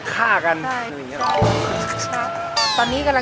ค่ะค่า๒นิ่งงี้เหรอ